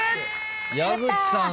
矢口さん